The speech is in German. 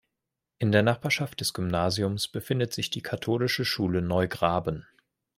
In der Nachbarschaft des Gymnasiums befindet sich die Katholische Schule Neugraben.